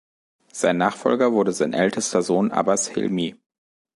Sein Nachfolger wurde sein ältester Sohn Abbas Hilmi.